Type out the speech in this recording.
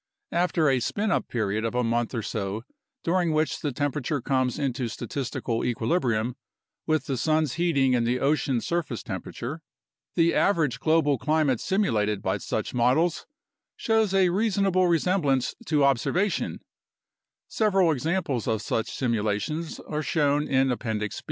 After a spin up period of a month or so during which the temperature comes into statistical equilibrium (with the sun's heating and the ocean surface temperature), the average global climate simulated by such models shows a reasonable resemblance to observation; several examples of such simulations are shown in Appendix B.